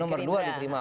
nomor dua dikerima